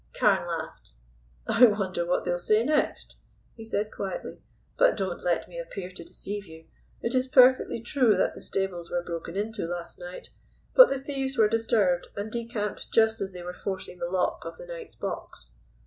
Carne laughed. "I wonder what they'll say next," he said quietly. "But don't let me appear to deceive you. It is perfectly true that the stables were broken into last night, but the thieves were disturbed, and decamped just as they were forcing the lock of the Knight's box."